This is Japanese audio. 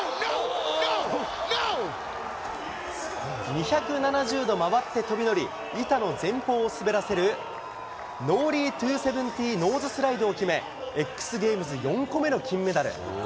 ２７０度回って飛び乗り、板の前方を滑らせる、ノーリー２７０ノーズスライドを決め、ＸＧａｍｅｓ４個目の金メダル。